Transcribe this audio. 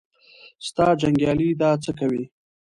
ستا جنګیالي دا څه کوي.